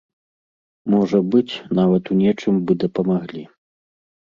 Можа быць, нават у нечым бы дапамаглі.